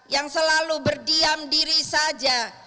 yang selalu berdiam diri saja